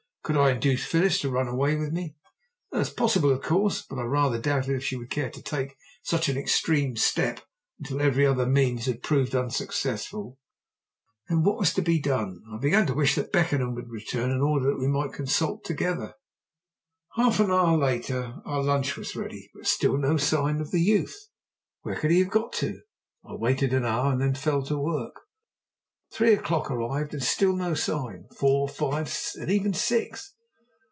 Could I induce Phyllis to run away with me? That was possible, of course, but I rather doubted if she would care to take such an extreme step until every other means had proved unsuccessful. Then what was to be done? I began to wish that Beckenham would return in order that we might consult together. Half an hour later our lunch was ready, but still no sign came of the youth. Where could he have got to? I waited an hour and then fell to work. Three o'clock arrived and still no sign four, five, and even six.